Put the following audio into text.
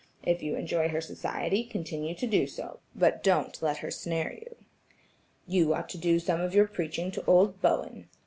If you enjoy her society, continue to do so, but be careful; don't let her snare you." "You ought to do some of your preaching to old Bowen.